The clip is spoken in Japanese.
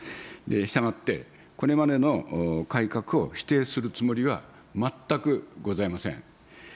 したがって、これまでの改革を否定するつもりは全くございません。